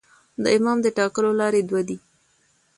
د امام د ټاکلو لاري دوې دي.